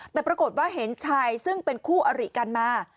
แต่ปรากฏว่าเห็นชายซึ่งเป็นคู่อริกันมา